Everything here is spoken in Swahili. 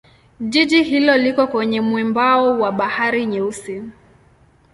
Jiji hilo liko kwenye mwambao wa Bahari Nyeusi.